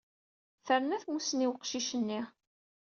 Tennerna tmussni n weqcic-nni.